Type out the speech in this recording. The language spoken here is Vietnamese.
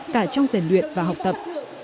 cả trong rèn luyện và học tập